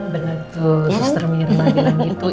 benar tuh suster mirna bilang gitu